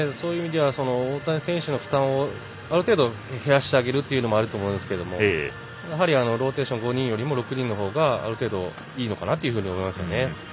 大谷選手の負担をある程度、減らしてあげるのもあると思うんですけどやはりローテーション５人よりも６人のほうがある程度いいのかなと思いますね。